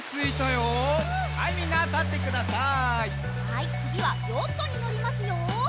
はいつぎはヨットにのりますよ。